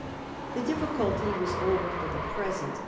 The difficulty was over for the present.